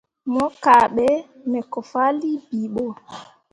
Mo kahɓe me ko fahlii bii ɓo.